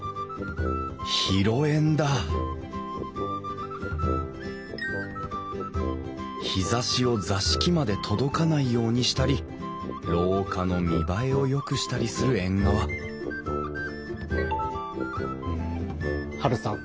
広縁だ日ざしを座敷まで届かないようにしたり廊下の見栄えをよくしたりする縁側ハルさん。